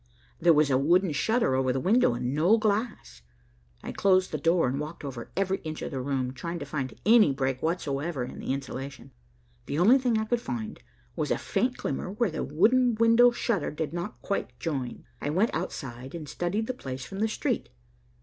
There was a wooden shutter over the window, and no glass. I closed the door and walked over every inch of the room, trying to find any break whatsoever in the insulation. The only thing I could find was a faint glimmer, where the wooden window shutter did not quite join. I went outside and studied the place from the street.